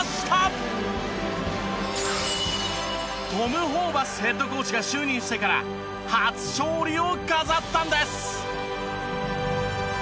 トム・ホーバスヘッドコーチが就任してから初勝利を飾ったんです。